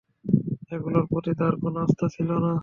এগুলোর প্রতি তার কোন আস্থা ছিল না।